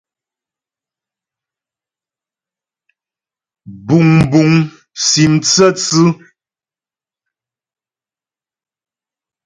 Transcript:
Buŋbuŋ sim tsə́tsʉ́.